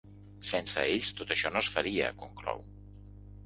Sense ells, tot això no es faria, conclou.